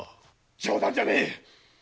冗談じゃねぇ